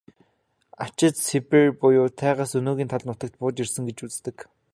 Анчид Сибирь буюу тайгаас өнөөгийн тал нутагт бууж ирсэн гэж үздэг.